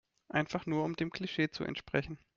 Einfach nur um dem Klischee zu entsprechen.